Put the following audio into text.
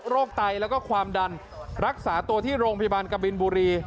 ไตแล้วก็ความดันรักษาตัวที่โรงพยาบาลกบินบุรี